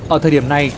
ở thời điểm này